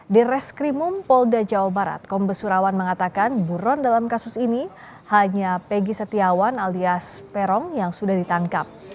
di reskrimum polda jawa barat kombes surawan mengatakan buron dalam kasus ini hanya peggy setiawan alias peron yang sudah ditangkap